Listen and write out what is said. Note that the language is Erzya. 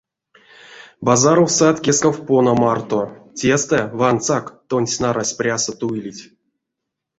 Базаров сат кескав пона марто, тестэ, вансак, тонсь наразь прясо туилить.